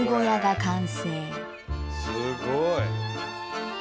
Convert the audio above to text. すごい！